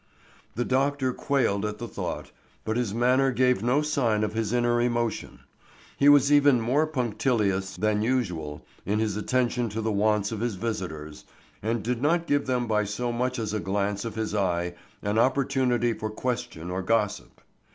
_ The doctor quailed at the thought, but his manner gave no sign of his inner emotion. He was even more punctilious than usual in his attention to the wants of his visitors, and did not give them by so much as a glance of his eye an opportunity for question or gossip.